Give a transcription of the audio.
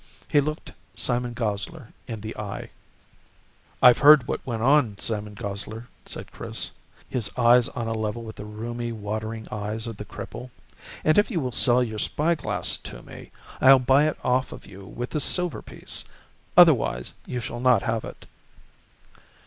He looked Simon Gosler in the eye. "I've heard what went on, Simon Gosler," said Chris, his eyes on a level with the rheumy watering eyes of the cripple, "and if you will sell your spyglass to me, I'll buy it off you with this silver piece. Otherwise you shall not have it."